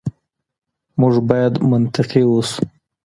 موږ بايد منطقي اوسو.